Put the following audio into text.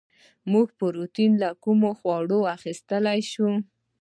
موږ پروټین له کومو خوړو اخیستلی شو